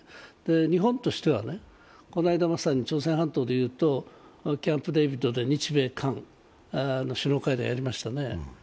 日本としては、この間、まさに朝鮮半島でいうとキャンプデービッドで日米韓の首脳会談やりましたね。